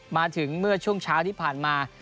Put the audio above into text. มาถึงเมื่อช่วงเช้าที่ผ่านมา